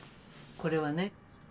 これはね。